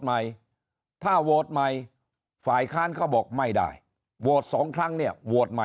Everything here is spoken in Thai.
ใหม่โทรธไหมขายข้างก็บอกไม่ได้โดยสองครั้งเนี่ยโบว์ดมา